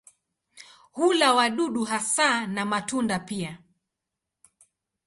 Hula wadudu hasa na matunda pia.